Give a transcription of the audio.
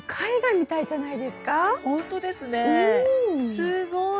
すごい！